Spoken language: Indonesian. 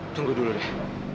tunggu dulu deh